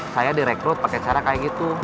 saya direkrut pakai cara kayak gitu